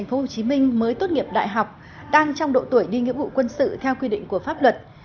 ông võ trọng nghĩa sống tại tp hcm mới tốt nghiệp đại học đang trong độ tuổi đi nghĩa vụ quân sự theo quy định của pháp luật